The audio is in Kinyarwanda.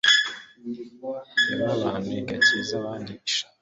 irema abantu igakiza abandi ishaka